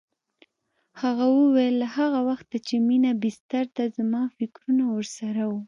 هغه وویل له هغه وخته چې مينه بستر ده زما فکر ورسره و